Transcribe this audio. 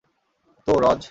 তো, রজ?